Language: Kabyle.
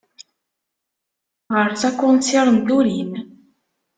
Ɣer-s akunsir n turin.